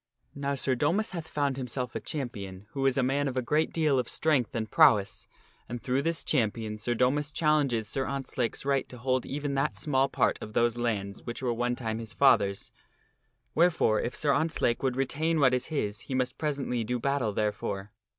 Now Sir Domas hath found himself a champion who is a man of a great deal of strength and prowess, and through this champion Sir Domas challenges Sir Ontzlake's right to hold even that small part of those lands which were one time his father's ; wherefore if Sir Ontzlake would retain what is his he must presently do battle therefore.